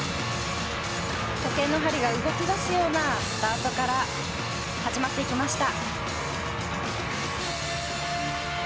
時計の針が動き出すようなスタートから始まっていきました。